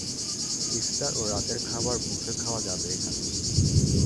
ইফতার ও রাতের খাবার বুফে খাওয়া যাবে এখানে।